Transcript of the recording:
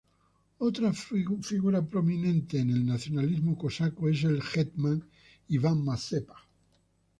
Otra figura prominente en el nacionalismo cosaco es el hetman Iván Mazepa.